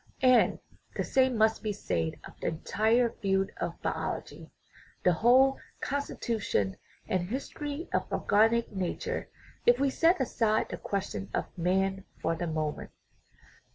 And the same must be said of the entire field of biology, the whole constitution and his tory of organic nature, if we set aside the question of man for the moment.